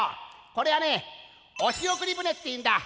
これはね押送船っていうんだ。